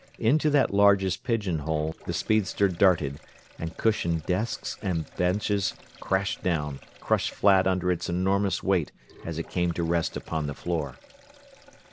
Into that largest pigeon hole the speedster darted, and cushioned desks and benches crashed down, crushed flat under its enormous weight as it came to rest upon the floor.